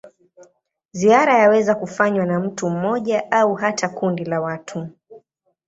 Ziara yaweza kufanywa na mtu mmoja au hata kundi la watu.